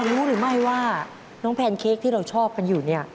รู้หรือไม่ว่าน้องแพนเค้กที่เราชอบกันอยู่เนี่ย